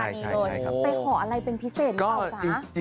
ไปขออะไรให้เป็นพิเศษหรือเปล่า